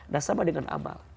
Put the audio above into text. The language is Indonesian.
nah sama dengan amal